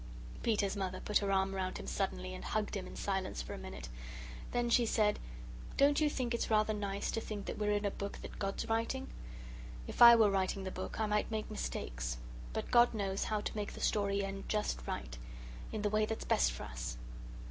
Peter's Mother put her arm round him suddenly, and hugged him in silence for a minute. Then she said: "Don't you think it's rather nice to think that we're in a book that God's writing? If I were writing the book, I might make mistakes. But God knows how to make the story end just right in the way that's best for us."